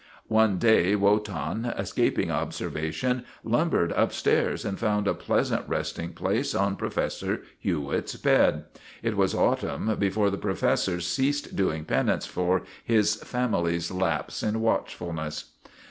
One day Wotan, escaping observation, lumbered upstairs and found a pleasant resting place on Professor Hewitt's bed. It was autumn before the professor ceased doing penance for his family's lapse in watchfulness.